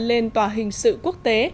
lên tòa hình sự quốc tế